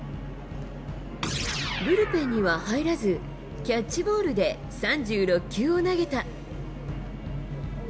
ブルペンには入らず、キャッチボールで３６球を投げた。